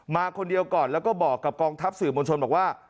มาคนเดียวก่อนแล้วก็บอกกับกองทัพสื่อมวลชนบอกว่า